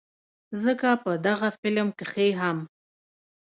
ځکه په دغه فلم کښې هم